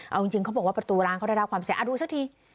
เอาจริงเขาบอกว่าประตูร้านเขาได้รับความเสียดูสักที